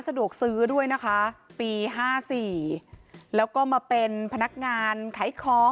สะดวกซื้อด้วยนะคะปีห้าสี่แล้วก็มาเป็นพนักงานขายของ